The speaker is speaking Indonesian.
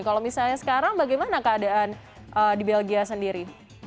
kalau misalnya sekarang bagaimana keadaan di belgia sendiri